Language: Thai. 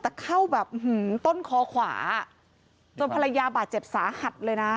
แต่เข้าแบบต้นคอขวาจนภรรยาบาดเจ็บสาหัสเลยนะ